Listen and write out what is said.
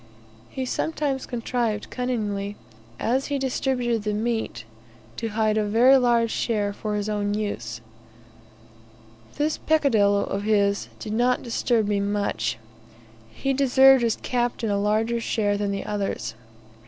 He sometimes contrived cunningly, as he distributed the meat, to hide a very large share for his own use. This peccadillo of his did not disturb me much; he deserved as captain a larger share than the others.